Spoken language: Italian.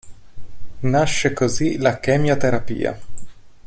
Nasce così la "chemioterapia".